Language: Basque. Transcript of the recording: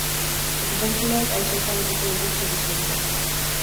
Ikusentzuleek aise ezagutuko dituzte bi serieak.